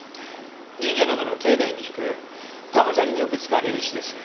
神社などの境内にひく玉砂利によく使われる石です。